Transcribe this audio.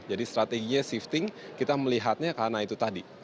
jadi strategi shifting kita melihatnya karena itu tadi